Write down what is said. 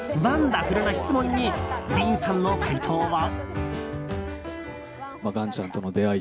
ダフルな質問にディーンさんの回答は。